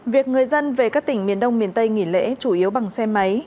việc người dân về các tỉnh miền đông miền tây nghỉ lễ chủ yếu bằng xe máy